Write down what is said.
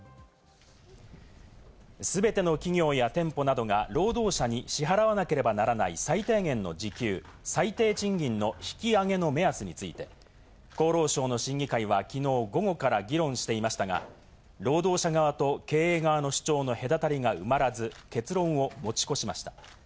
全ての企業や店舗などが労働者に支払わなければならない最低限の時給＝最低賃金の引き上げの目安について、厚労省の審議会はきのう午後から議論していましたが、労働者側と経営側の主張の隔たりが埋まらず結論を持ち越しました。